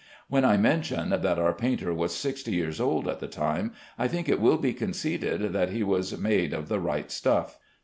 When I mention that our painter was sixty years old at the time, I think it will be conceded that he was made of the right stuff.